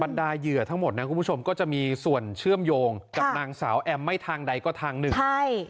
ดาเหยื่อทั้งหมดนะคุณผู้ชมก็จะมีส่วนเชื่อมโยงกับนางสาวแอมไม่ทางใดก็ทางหนึ่งใช่